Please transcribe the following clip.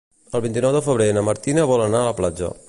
El vint-i-nou de febrer na Martina vol anar a la platja.